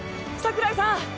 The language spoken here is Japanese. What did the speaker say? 櫻井さん。